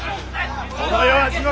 この世は地獄。